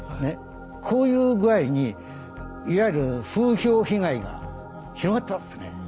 こういう具合にいわゆる風評被害が広がったんですね。